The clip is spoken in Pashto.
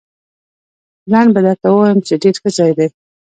لنډ به درته ووایم، چې ډېر ښه ځای دی.